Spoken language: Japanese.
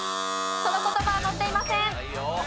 その言葉は載っていません。